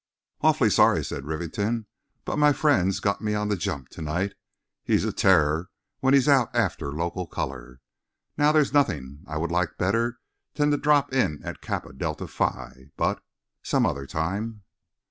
"Awfully sorry," said Rivington, "but my friend's got me on the jump to night. He's a terror when he's out after local colour. Now, there's nothing I would like better than to drop in at the Kappa Delta Phi, but—some other time!"